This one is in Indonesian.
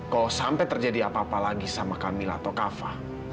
kalo sampe terjadi apa apa lagi sama camilla atau kava